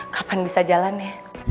kapan bisa jalan ya